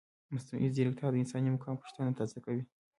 مصنوعي ځیرکتیا د انساني مقام پوښتنه تازه کوي.